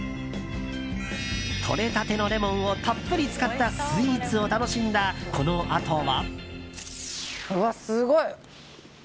とれたてのレモンをたっぷり使ったスイーツを楽しんだこのあとは。